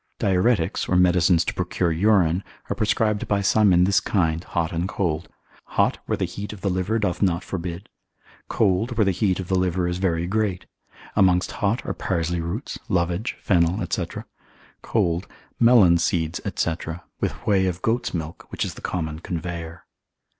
Diuretics, or medicines to procure urine, are prescribed by some in this kind, hot and cold: hot where the heat of the liver doth not forbid; cold where the heat of the liver is very great: amongst hot are parsley roots, lovage, fennel, &c.: cold, melon seeds, &c., with whey of goat's milk, which is the common conveyer.